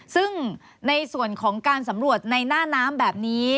ซึ่งในส่วนของการสำรวจในหน้าน้ำแบบนี้